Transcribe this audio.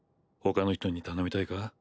ほかの人に頼みたいか？